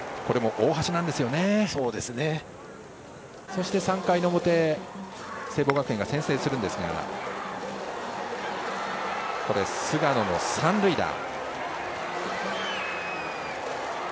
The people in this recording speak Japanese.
そして３回の表聖望学園が先制するんですが菅野の三塁打。